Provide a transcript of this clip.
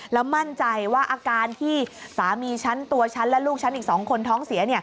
แล้วมั่นใจว่าอาการที่สามีฉันตัวฉันและลูกฉันอีก๒คนท้องเสีย